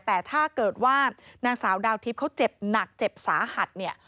แต่ถ้าเกิดว่านางสาวดาวทิพย์เขาเจ็บหนักเจ็บสาหัสเนี่ย